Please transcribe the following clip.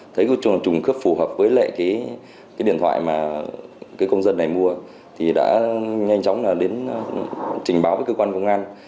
thấy trùng khớp phù hợp với điện thoại mà công dân này mua thì đã nhanh chóng trình báo với cơ quan vụ án